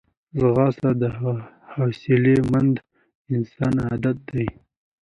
ځغاسته د حوصلهمند انسان عادت دی